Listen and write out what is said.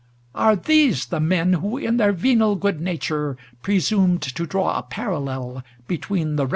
Are these the men who in their venal good nature presumed to draw a parallel between the Rev. Mr.